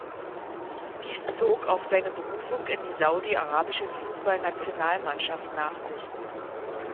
Dies zog auch seine Berufung in die saudi-arabische Fußballnationalmannschaft nach sich.